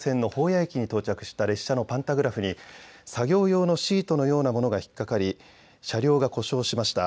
谷駅に到着した列車のパンタグラフに作業用のシートのようなものが引っ掛かり車両が故障しました。